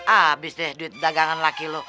abis deh duit dagangan laki loh